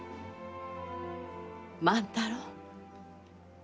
万太郎。